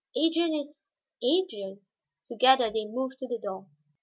Adrian is Adrian." Together they moved to the door.